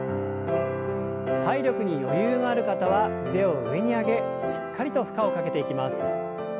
体力に余裕のある方は腕を上に上げしっかりと負荷をかけていきます。